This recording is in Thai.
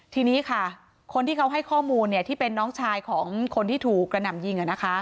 ทีนี้ค่ะคนที่เขาให้ข้อมูลที่เป็นน้องชายของคนที่ถูกกระหน่ำยิง